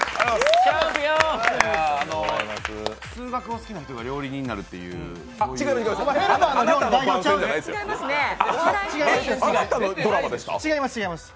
数学を好きな人が料理人になるっていう違います、違います。